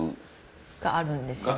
があるんですよね？